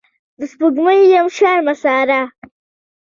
د سپوږمۍ یم شرمساره